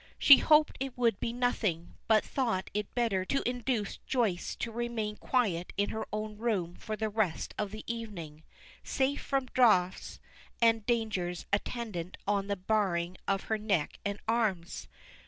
She hoped it would be nothing, but thought it better to induce Joyce to remain quiet in her own room for the rest of the evening, safe from draughts and the dangers attendant on the baring of her neck and arms.